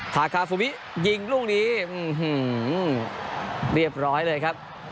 คาฟูมิยิงลูกนี้เรียบร้อยเลยครับ